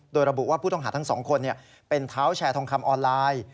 โดยระบุว่าผู้ต้องหาทั้งสองคนเป็นเท้าแชร์ทองคำออนไลน์